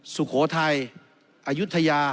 สุโขทัยอายุทยา